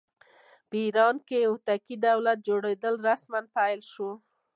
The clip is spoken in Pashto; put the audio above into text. په ایران کې د هوتکي دولت جوړېدل رسماً پیل شول.